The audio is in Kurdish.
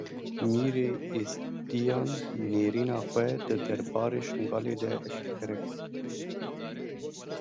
Mîrê Êzidiyan nêrîna xwe di derbarê Şingalê de eşkere kir.